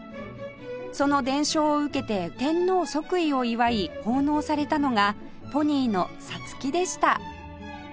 その伝承を受けて天皇即位を祝い奉納されたのがポニーの皐月でした